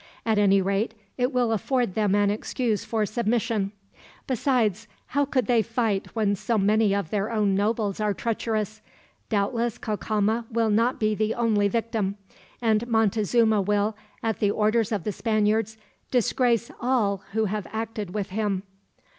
At any rate, it will afford them an excuse for submission. Besides, how could they fight when so many of our own nobles are treacherous? Doubtless Cacama will not be the only victim, and Montezuma will, at the orders of the Spaniards, disgrace all who have acted with him."